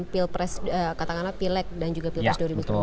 pilpres katakanlah pilek dan juga pilpres